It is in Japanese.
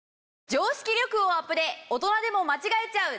常識力をアプデ大人でも間違えちゃう！？